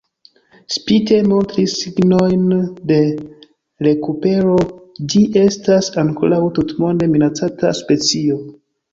Spite montri signojn de rekupero, ĝi estas ankoraŭ tutmonde minacata specio.